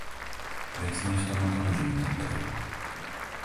別の人の彼女になったよ